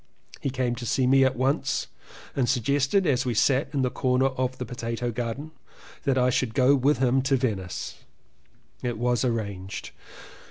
He came to see me at once and suggested as we sat in the corner of the potato garden, that I should go with him to Venice. It was arranged.